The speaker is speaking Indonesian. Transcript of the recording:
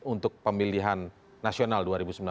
untuk pemilihan nasional dua ribu sembilan belas